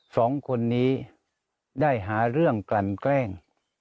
สองคนนี้ได้หาเรื่องกลั่นแกล้ง